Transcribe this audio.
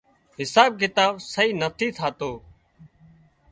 حساب ڪتاب سئي نٿي ٿاتو